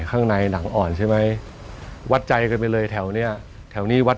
ข้างในหนังอ่อนใช่ไหมวัดใจกันไปเลยแถวเนี้ยแถวนี้วัด